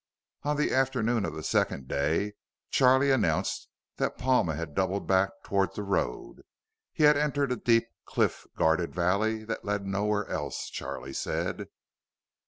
On the afternoon of the second day, Charlie announced that Palma had doubled back toward the road. He had entered a deep, cliff guarded valley that led nowhere else, Charlie said.